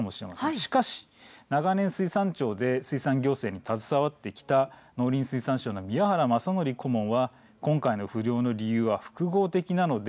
しかし長年水産庁で水産行政に携わってきた農林水産省の宮原正典顧問は今回の不漁の理由は複合的なので